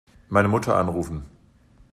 Meine Mutter anrufen.